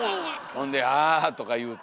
ほんで「あぁ」とか言うて。